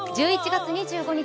１１月２５日